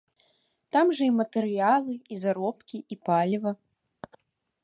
Там жа і матэрыялы, і заробкі, і паліва.